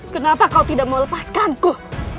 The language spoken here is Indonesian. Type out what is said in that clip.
kenapa kau tidak mau lepaskanku